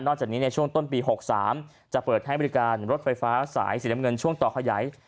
จากนี้ในช่วงต้นปี๖๓จะเปิดให้บริการรถไฟฟ้าสายสีน้ำเงินช่วงต่อขยาย